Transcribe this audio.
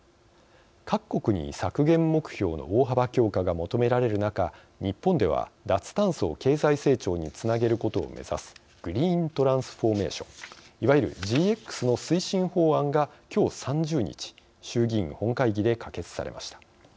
各国に削減目標の大幅強化が求められる中日本では脱炭素を経済成長につなげることを目指すグリーントランスフォーメーションいわゆるＧＸの推進法案が今日３０日衆議院本会議で可決されました。